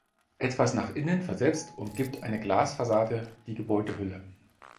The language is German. Etwas nach innen versetzt umgibt eine Glasfassade die Gebäudehülle.